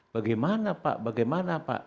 bagaimana pak bagaimana pak